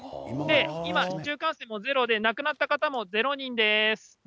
今、市中感染もゼロで、亡くなった方もゼロ人です。